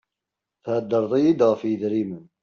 Thedreḍ-iy-d ɣef yidrimen.